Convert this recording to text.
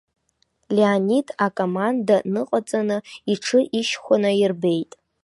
Леонид акоманда ныҟаҵаны, иҽы ишьхәа наирбеит.